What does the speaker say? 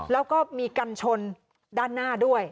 แล้วก็มีกันชนด้านหน้าด้วย